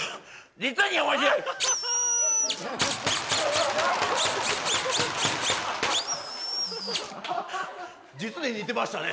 実に似てましたね！